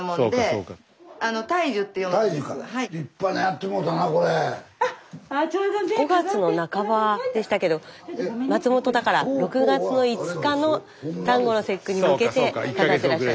スタジオ５月の半ばでしたけど松本だから６月の５日の端午の節句に向けて飾ってらっしゃる。